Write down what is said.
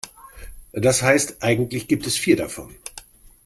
Das heißt, eigentlich gibt es vier davon.